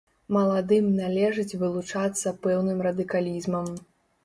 Маладым належыць вылучацца пэўным радыкалізмам.